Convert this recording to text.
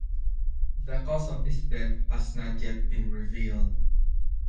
The cause of his death has not yet been revealed.